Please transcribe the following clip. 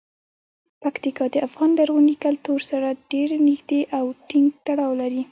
پکتیکا د افغان لرغوني کلتور سره ډیر نږدې او ټینګ تړاو لري.